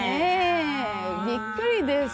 ビックリです。